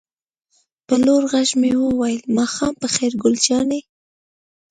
په لوړ غږ مې وویل: ماښام په خیر ګل جانې.